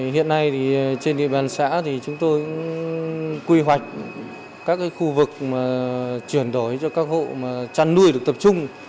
hiện nay thì trên địa bàn xã thì chúng tôi quy hoạch các khu vực chuyển đổi cho các hộ chăn nuôi được tập trung